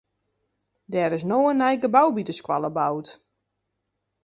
Der is no in nij gebou by de skoalle boud.